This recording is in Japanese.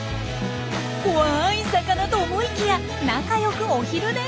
怖い魚と思いきや仲良くお昼寝！？